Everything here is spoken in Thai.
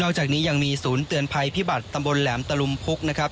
จากนี้ยังมีศูนย์เตือนภัยพิบัตรตำบลแหลมตะลุมพุกนะครับ